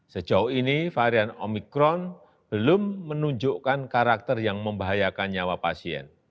sejauh ini varian omikron belum menunjukkan karakter yang membahayakan nyawa pasien